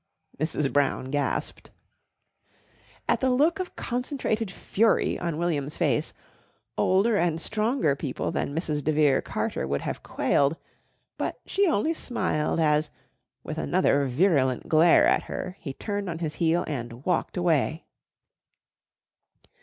Mrs. Brown gasped. At the look of concentrated fury on William's face, older and stronger people than Mrs. de Vere Carter would have quailed, but she only smiled as, with another virulent glare at her, he turned on his heel and walked away.